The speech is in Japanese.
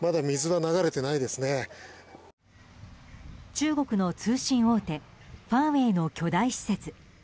中国の通信大手ファーウェイの巨大施設。